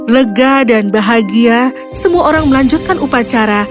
lega dan bahagia semua orang melanjutkan upacara